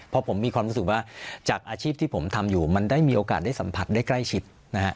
เพราะผมมีความรู้สึกว่าจากอาชีพที่ผมทำอยู่มันได้มีโอกาสได้สัมผัสได้ใกล้ชิดนะฮะ